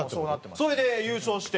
それで優勝して。